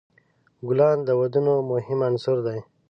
ګلان د ودونو مهم عنصر دی.